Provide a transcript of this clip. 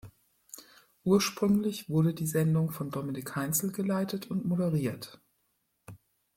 Ursprünglich wurde die Sendung von Dominic Heinzl geleitet und moderiert.